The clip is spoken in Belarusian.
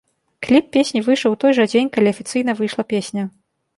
Кліп песні выйшаў у той жа дзень, калі афіцыйна выйшла песня.